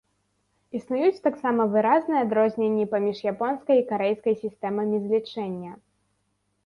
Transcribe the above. Існуюць таксама выразныя адрозненні паміж японскай і карэйскай сістэмамі злічэння.